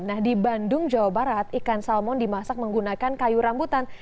nah di bandung jawa barat ikan salmon dimasak menggunakan kayu rambutan